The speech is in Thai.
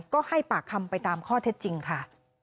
ก็ให้ปากคำไปตามข้อเท็จจริงค่ะ